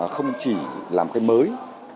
không chỉ làm cái mới